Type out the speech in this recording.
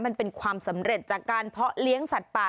มันเป็นความสำเร็จจากการเพาะเลี้ยงสัตว์ป่า